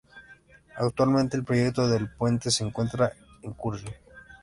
Actualmente el proyecto del puente se encuentra en curso.